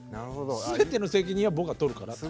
全ての責任は僕が取るからって。